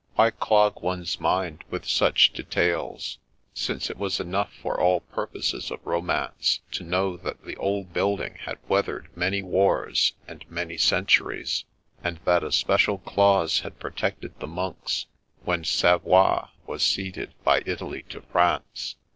Why clog one's mind with such de tails, since it was enough for all purposes of romance to know that the old building had weathered many wars and many centuries, and that a special clause had protected the monks when Savoie was ceded by Italy to France